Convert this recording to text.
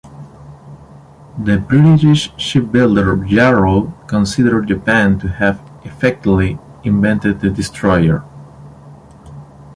The British shipbuilder Yarrow "considered Japan to have effectively invented the destroyer".